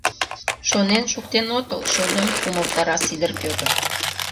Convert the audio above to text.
Шонен шуктен отыл, шольым, — умылтара Сидыр Петр.